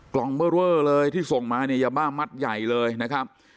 กล่องเบอร์เวอร์เลยที่ส่งมาเนี่ยยาบ้ามัดใหญ่เลยนะครับ